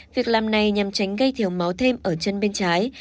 việc làm này nhằm tránh gây thiếu máu thêm ở chân bên trái